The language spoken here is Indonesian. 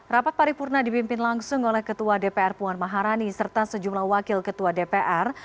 rapat paripurna dipimpin langsung oleh ketua dpr puan maharani serta sejumlah wakil ketua dpr